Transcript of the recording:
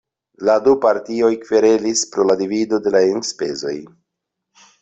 La du partioj kverelis pro la divido de la enspezoj.